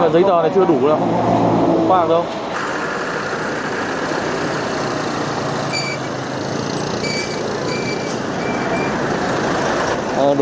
giấy tờ này chưa đủ đâu không có hàng đâu